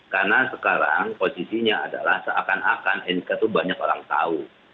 karena sekarang posisinya adalah seakan akan nk tuh banyak orang tahu